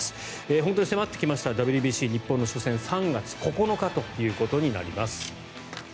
本当に迫ってきましたＷＢＣの日本の初戦３月９日となります。